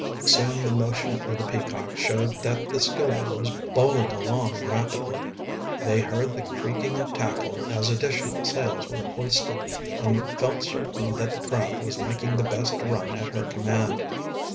Soon the motion of the Peacock showed that the schooner was bowling along rapidly. They heard the creaking of tackle as additional sails were hoisted, and felt certain that the craft was making the best run at her command.